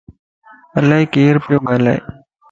الائي ڪير پيو ڳالائي